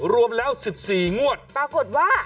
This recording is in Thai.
รวมแล้ว๑๔งวดปรากฏว่า